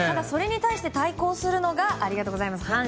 それに対して対抗するのがありがとうございます。